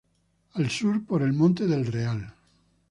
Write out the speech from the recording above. Al sur: por el monte de El Real.